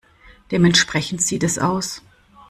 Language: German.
Dementsprechend sieht es aus.